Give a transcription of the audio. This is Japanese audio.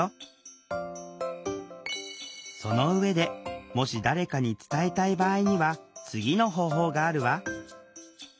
その上でもし誰かに伝えたい場合には次の方法があるわ。